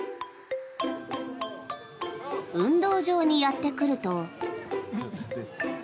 運動場にやってくると。